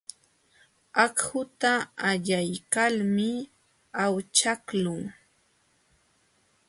Akhuta allaykalmi awchaqlun.